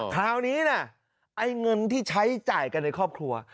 คราวนี้นะไอ้เงินที่ใช้จ่ายกันในครอบครัว